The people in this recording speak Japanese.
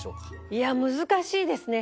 いや難しいですね。